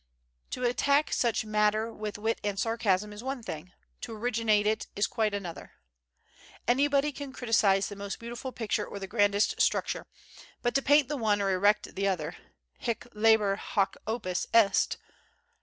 To attack such matter with wit and sarcasm is one thing; to originate it is quite another. Anybody can criticise the most beautiful picture or the grandest structure, but to paint the one or erect the other, hic labor, hoc opus est.